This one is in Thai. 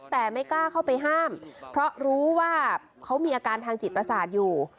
แต่ไม่กล้าเข้าไปห้ามเพราะรู้ว่าเขามีอาการทางจิตประสาทอยู่